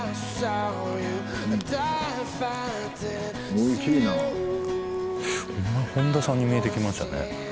おいしいなホンマに本田さんに見えてきましたね